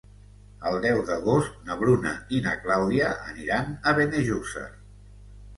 El deu d'agost na Bruna i na Clàudia aniran a Benejússer.